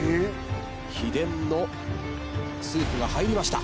秘伝のスープが入りました。